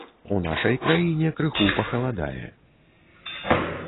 У нашай краіне крыху пахаладае.